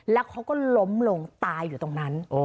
แล้วเขาก็ล้มลงตายอยู่ตรงนั้น